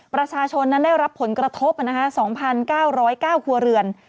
ประชาชนนั้นได้รับผลกระทบ๒๙๐๙ครัวเรือน